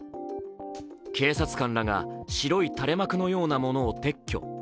警察官らが白い垂れ幕のようなものを撤去。